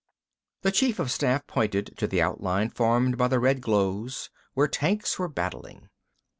The chief of staff pointed to the outline formed by the red glows where tanks were battling.